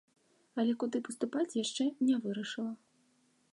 Але куды паступаць, яшчэ не вырашыла.